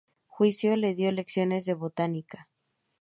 Jussieu le dio lecciones de botánica.